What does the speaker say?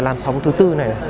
làm sóng thứ tư này